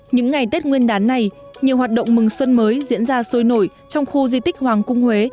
những ngày tết nguyên đán này nhiều hoạt động mừng xuân mới diễn ra sôi nổi trong khu di tích hoàng cung huế